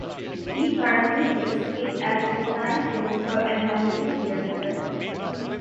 He currently heads it as Design Principal and Managing Director.